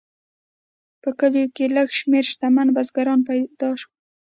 په کلیو کې لږ شمیر شتمن بزګران پیدا شول.